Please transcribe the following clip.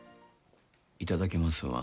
いただきますは？